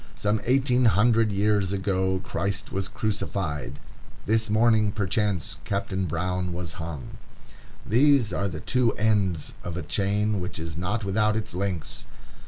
Some eighteen hundred years ago Christ was crucified; this morning, perchance, Captain Brown was hung. These are the two ends of a chain which is not without its links.